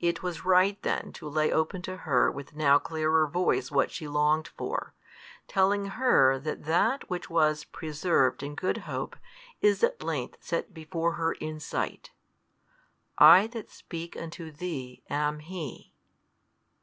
It was right then to lay open to her with now clearer voice what she longed for, telling her that that which was preserved in good hope is at length set before her in sight, I that speak unto thee am He.